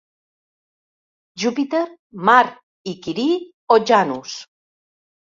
Júpiter, Mart i Quirí o Janus.